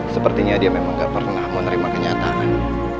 sepertinya dia memang gak pernah menerima kenyataan